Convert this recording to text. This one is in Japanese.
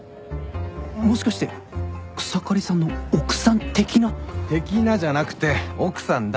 もしかして草刈さんの奥さん的な？的なじゃなくて奥さんだ。